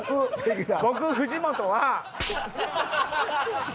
「僕藤本は」。